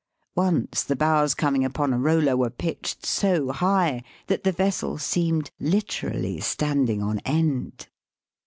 Once the bows coming upon a roller were pitched so high that the vessel seemed literally standing on end.